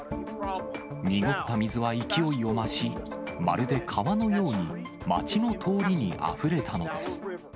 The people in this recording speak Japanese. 濁った水は勢いを増し、まるで川のように町の通りにあふれたのです。